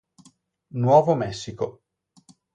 Nuovo Messico.